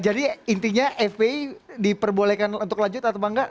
jadi intinya fpi diperbolehkan untuk lanjut atau nggak